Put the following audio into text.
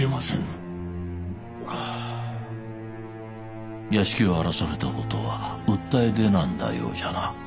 はあ屋敷を荒らされたことは訴え出なんだようじゃな。